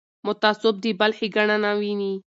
متعصب د بل ښېګڼه نه ویني